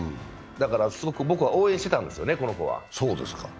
すごく僕は応援してたんですね、この子は。